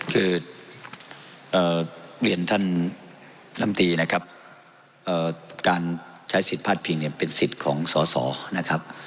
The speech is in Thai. คือเรียนท่านลำตีนะครับการใช้สิทธิ์พาดพิงเนี่ยเป็นสิทธิ์ของสอสอนะครับ